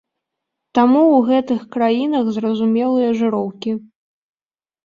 Таму ў гэтых краінах зразумелыя жыроўкі.